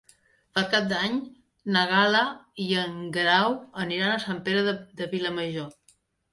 Per Cap d'Any na Gal·la i en Guerau aniran a Sant Pere de Vilamajor.